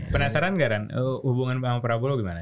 penasaran gak ran hubungan sama prabowo gimana